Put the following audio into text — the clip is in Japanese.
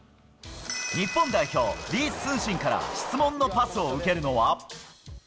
日本代表、李すんしんから質問のパスを受けるのは。